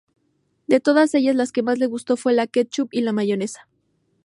De todas ellas la que más les gustó fue la de ketchup y mayonesa.